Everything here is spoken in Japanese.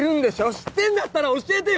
知ってんだったら教えてよ